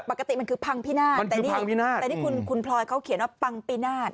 ปกติมันคือพังพินาศแต่นี่แต่นี่คุณพลอยเขาเขียนว่าปังปีนาศ